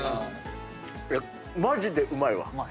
マジでうまいわ。